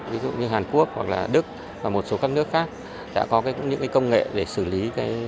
ví dụ như hàn quốc hoặc là đức và một số các nước khác đã có những công nghệ để xử lý